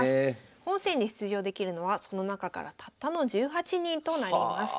本戦に出場できるのはその中からたったの１８人となります。